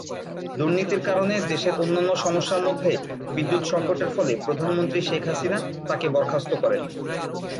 দুর্নীতির কারণে, দেশের অন্যান্য সমস্যার মধ্যে বিদ্যুৎ সংকটের ফলে প্রধানমন্ত্রী শেখ হাসিনা তাকে বরখাস্ত করেন।